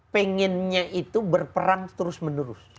pengennya itu berperang terus menerus